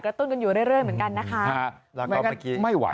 กระตุ้นกันอยู่เรื่อยเหมือนกันนะคะ